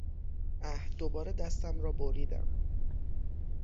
اه، دوباره دستم را بریدم!